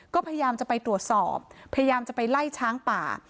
ก็พยายามจะไปตรวจสอบพยายามจะไปไล่ช้างป่า